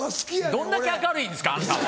どんだけ明るいんですか。